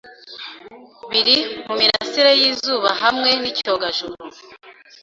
biri mumirasire yizubahamwe nicyogajuru